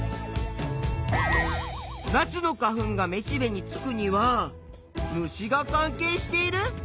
ナスの花粉がめしべにつくには虫が関係している？